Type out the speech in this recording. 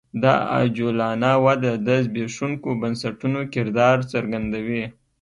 دا عجولانه وده د زبېښونکو بنسټونو کردار څرګندوي